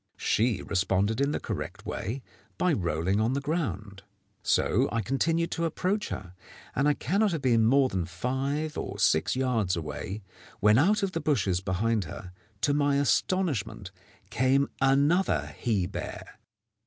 She responded in the correct way, by rolling on the ground. So I continued to approach her, and I cannot have been more than five or six yards away, when out of the bushes behind her, to my astonishment, came another he bear.